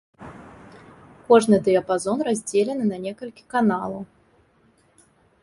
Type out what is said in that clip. Кожны дыяпазон раздзелены на некалькі каналаў.